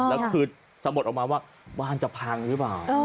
แล้วคือสะบดออกมาว่าบ้านจะพังหรือเปล่า